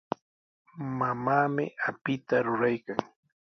Mamaami apita ruraykan.